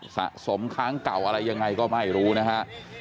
สะสมค้างเก่าอะไรยังไงก็ไม่รู้นะฮะ